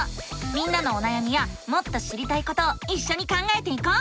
みんなのおなやみやもっと知りたいことをいっしょに考えていこう！